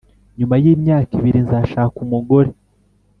nyuma y’imyaka ibiri, nzashaka umugore